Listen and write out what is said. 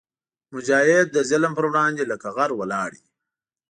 مجاهد د ظلم پر وړاندې لکه غر ولاړ وي.